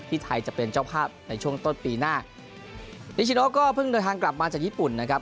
ไทยจะเป็นเจ้าภาพในช่วงต้นปีหน้านิชิโนก็เพิ่งเดินทางกลับมาจากญี่ปุ่นนะครับ